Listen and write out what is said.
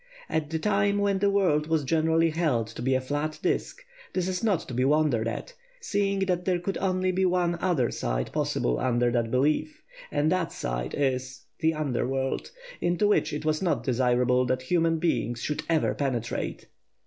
At the time when the world was generally held to be a flat disc, this is not to be wondered at, seeing that there could only be one other side possible under that belief, and that side the "under world," into which it was not desirable that human beings should ever penetrate.